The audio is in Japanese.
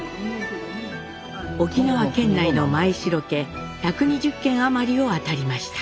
沖縄県内の前城家１２０件余りを当たりました。